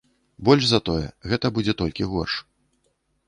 Больш за тое, гэта будзе толькі горш.